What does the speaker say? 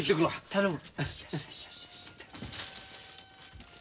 頼む。